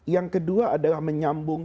yang kedua adalah menyambung